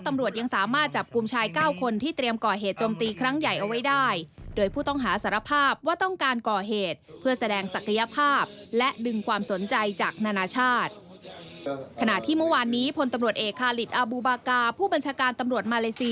ตำรวจยังสามารถจับกลุ่มชาย๙คนที่เตรียมก่อเหตุโจมตีครั้งใหญ่เอาไว้ได้